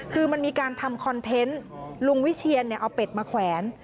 คือมันมีการทำคอนเทนต์ลุงวิเชียนเอาเป็ดมาแขวน